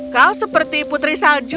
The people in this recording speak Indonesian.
kau seperti putri salju